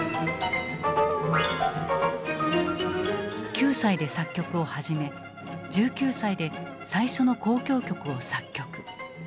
９歳で作曲を始め１９歳で最初の交響曲を作曲。